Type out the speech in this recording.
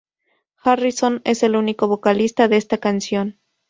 Harrison es el único vocalista de esta canción.